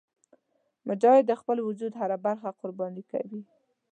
مجاهد د خپل وجود هره برخه قرباني کوي.